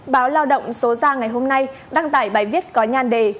báo lao động số ra ngày hôm nay đăng tải bài viết có nhan đề